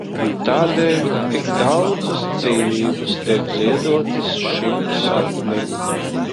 Un tādēļ tik daudzas dzīvības tiek ziedotas šim sapnim.